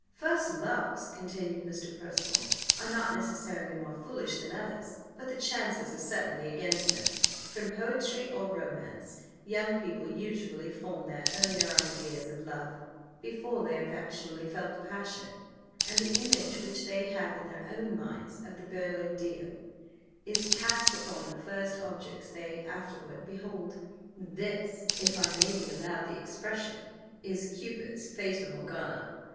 "First loves," continued Mr. Percival, "are not necessarily more foolish than others; but the chances are certainly against them. From poetry or romance, young people usually form their earlier ideas of love, before they have actually felt the passion; and the image which they have in their own minds of the beau ideal is cast upon the first objects they afterward behold. This, if I may be allowed the expression, is Cupid's Fata Morgana.